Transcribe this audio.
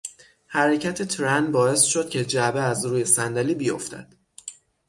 حرکت ترن باعث شد که جعبه از روی صندلی بیافتد.